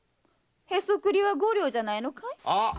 ヘソクリは五両じゃないのかい？